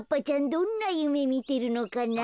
どんなゆめみてるのかな？